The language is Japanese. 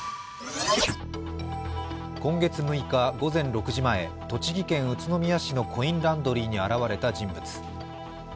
今月６日、午前６時前栃木県宇都宮市のコインランドリーに現れた人物。